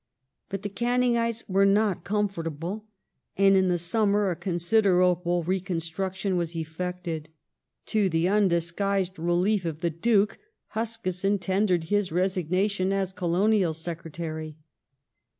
But the Canningites were not comfortable, and in the summer a considerable reconstruction was effected. To the undisguised re lief of the Duke, Huskisson tendered his resignation as Colonial Secretary.